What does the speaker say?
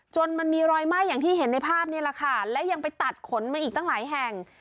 มันมีรอยไหม้อย่างที่เห็นในภาพนี้แหละค่ะและยังไปตัดขนมาอีกตั้งหลายแห่ง